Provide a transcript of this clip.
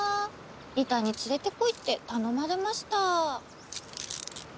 リタに連れてこいって頼まれました。